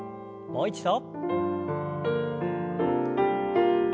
もう一度。